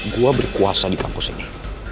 gua berkuasa di kampus ini